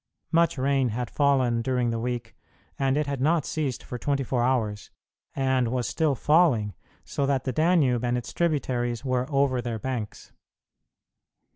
Much rain had fallen during the week, and it had not ceased for twenty four hours and still was falling, so that the Danube and its tributaries were over their banks.